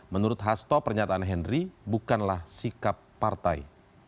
menurut hasto pernyataan henry bukanlah sikap partai